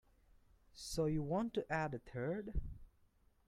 So you want to add a third?